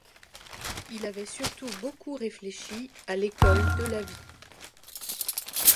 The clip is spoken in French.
Il avait surtout beaucoup réfléchi à l’école de la vie.